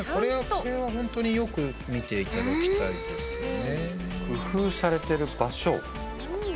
これは本当によく見ていただきたいですね。